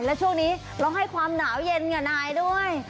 และช่วงนี้เราให้ความหนาวเย็นกับนายด้วย